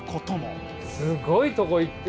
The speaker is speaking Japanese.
すごいとこ行って。